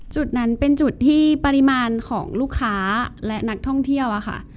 จุดนั้นเป็นจุดที่ปริมาณของลูกค้าและนักท่องเที่ยวอะค่ะ